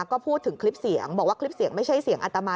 ก็พูดถึงคลิปเสียงบอกว่าคลิปเสียงไม่ใช่เสียงอัตมา